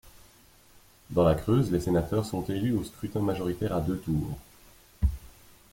Dans la Creuse, les sénateurs sont élus au scrutin majoritaire à deux tours.